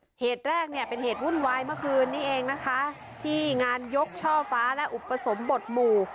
เหตุแรกเนี่ยเป็นเหตุวุ่นวายเมื่อคืนนี้เองนะคะที่งานยกช่อฟ้าและอุปสมบทหมู่